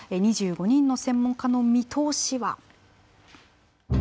２５人の専門家の見通しは。